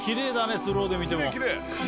スローで見ても。